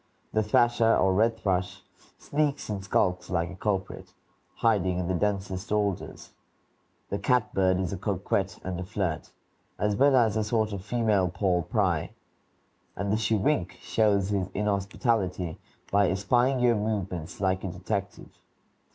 The thrasher, or red thrush, sneaks and skulks like a culprit, hiding in the densest alders; the catbird is a coquette and a flirt, as well as a sort of female Paul Pry; and the chewink shows his inhospitality by espying your movements like a detective.